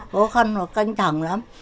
khó khăn và canh thẳng lắm